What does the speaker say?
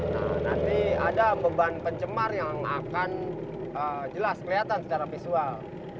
nah nanti ada beban pencemar yang akan jelas kelihatan secara visual